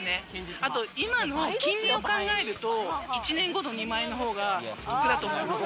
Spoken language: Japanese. あと、今の金利を考えると、１年後の２万円のほうが得だと思いますね。